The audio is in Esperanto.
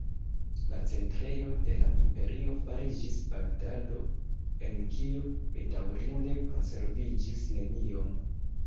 La centrejo de la imperio fariĝis Bagdado, en kiu bedaŭrinde konserviĝis neniom.